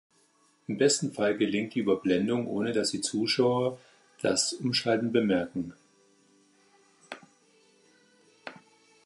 Im besten Fall gelingt die Überblendung, ohne dass die Zuschauer das Umschalten bemerken.